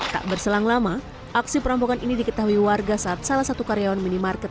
tak berselang lama aksi perampokan ini diketahui warga saat salah satu karyawan minimarket